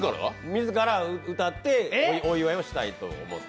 自ら歌ってお祝いしたいと。